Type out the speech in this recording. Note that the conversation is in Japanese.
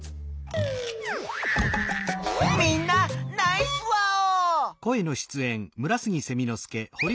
みんなナイスワオ！